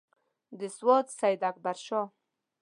د سوات سیداکبرشاه.